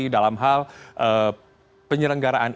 dalam hal penyelenggaraan